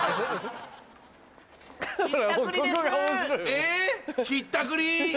えひったくり？